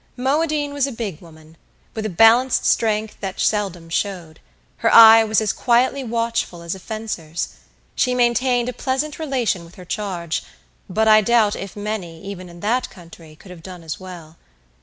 Moadine was a big woman, with a balanced strength that seldom showed. Her eye was as quietly watchful as a fencer's. She maintained a pleasant relation with her charge, but I doubt if many, even in that country, could have done as well.